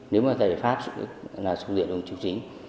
nếu mà giải pháp là sụp rửa đường trục chính